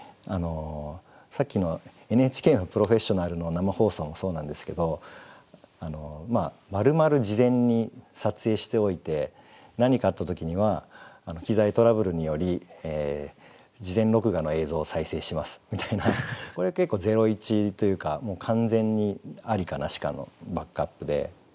さっきのＮＨＫの「プロフェッショナル」の生放送もそうなんですけどまるまる事前に撮影しておいて何かあった時には「機材トラブルにより事前録画の映像を再生します」みたいなこれは結構０１というか完全にありかなしかのバックアップで。